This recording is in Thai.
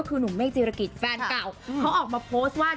ซีรกิจแฟนเก่าเขาออกมาโพสต์ว่า